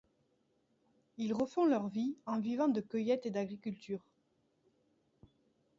Ils refont leur vie, en vivant de cueillette et d'agriculture.